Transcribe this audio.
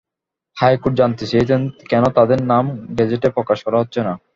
High court জানতে চেয়েছেন, কেন তাঁদের নাম গেজেটে প্রকাশ করা হচ্ছে না।